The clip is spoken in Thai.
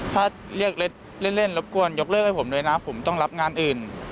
ถ้าเรียกเล่นรบกวนยกเลิกให้ผมด้วยนะผมต้องรับงานอื่น